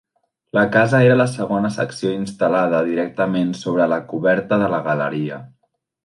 La casa era la segona secció, instal·lada directament sobre la coberta de la galeria.